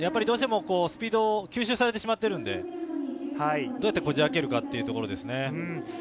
どうしてもスピードを吸収されてしまってるので、どうやってこじ開けるかっていうところですね。